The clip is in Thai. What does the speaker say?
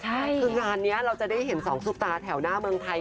คืองานนี้เราจะได้เห็นสองซุปตาแถวหน้าเมืองไทย